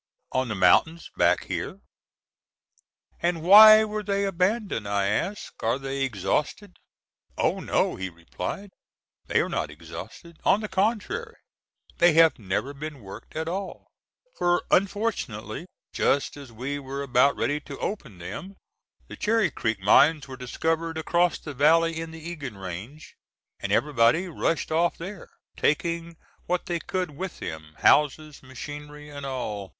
"On the mountains back here." "And why were they abandoned?" I asked. "Are they exhausted?" "Oh, no," he replied, "they are not exhausted; on the contrary, they have never been worked at all, for unfortunately, just as we were about ready to open them, the Cherry Creek mines were discovered across the valley in the Egan range, and everybody rushed off there, taking what they could with them—houses machinery, and all.